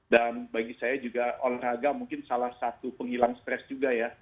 dan bagi saya juga olahraga mungkin salah satu penghilang stres juga ya